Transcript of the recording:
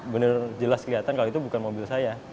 benar jelas kelihatan kalau itu bukan mobil saya